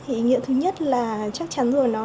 ý nghĩa thứ nhất chắc chắn là các vấn đề ngoại giao